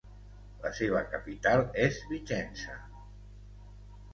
La seva capital és Vicenza.